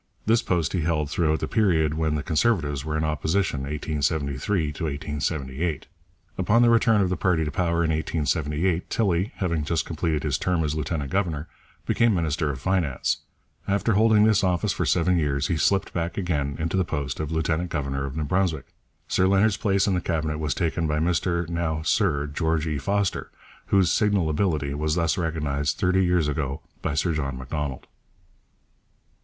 This post he held throughout the period when the Conservatives were in opposition (1873 to 1878). Upon the return of the party to power in 1878, Tilley, having just completed his term as lieutenant governor, became minister of Finance. After holding this office for seven years, he slipped back again into the post of lieutenant governor of New Brunswick. Sir Leonard's place in the Cabinet was taken by Mr (now Sir) George E. Foster, whose signal ability was thus recognized thirty years ago by Sir John Macdonald.